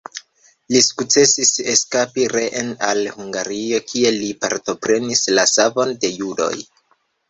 Li sukcesis eskapi reen al Hungario kie li partoprenis la savon de judoj.